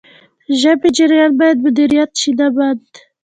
د ژبې جریان باید مدیریت شي نه بند.